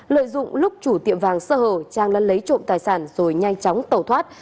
lợi dụng lúc chủ tiệm vàng sơ hồ trang lân lấy trộm tài sản rồi nhanh chóng tẩu thoát